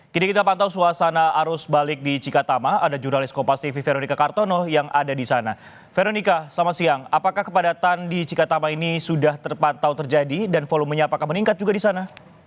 kepadatan di cikatama ini sudah terpantau terjadi dan volumenya apakah meningkat juga di sana